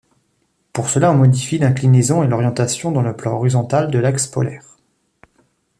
Pour cela, on modifie l'inclinaison et l'orientation dans le plan horizontal de l'axe polaire.